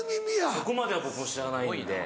ここまでは僕も知らないんで。